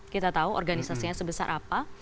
kita tahu organisasinya sebesar apa